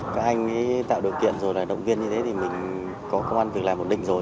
các anh tạo điều kiện rồi động viên như thế thì mình có công an việc làm một định rồi